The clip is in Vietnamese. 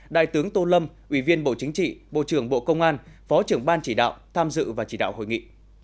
đại tướng tô lâm ủy viên bộ chính trị bộ trưởng bộ công an phó trưởng ban chỉ đạo tham dự và chỉ đạo hội nghị